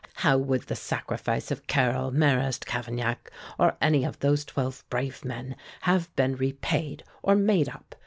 How would the sacrifice of Carrel, Marrast, Cavaignac, or of any of those twelve brave men have been repaid, or made up?